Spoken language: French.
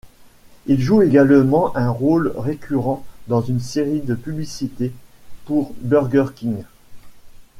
Il joue également un rôle récurrent dans une série de publicités pour Burger King.